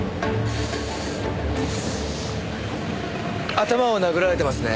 頭を殴られてますね。